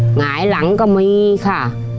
หงายหลังก็มีค่ะ